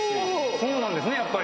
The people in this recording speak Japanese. そうなんですねやっぱり。